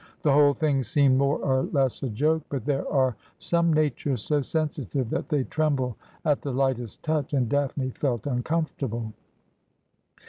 The whole thing seemed more or less a joke ; but there are some natures so sensitive that they tremble at the lightest touch ; and Daphne felt uncomfortable.